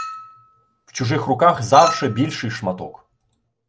В чужих руках завше більший шматок.